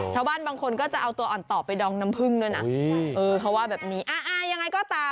ชาวบ้านบางคนก็จะเอาตัวอ่อนต่อไปดองน้ำพึ้งด้วยนะ